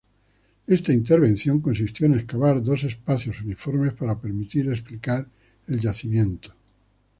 Esta intervención consistió en excavar dos espacios uniformes para permitir explicar el yacimiento.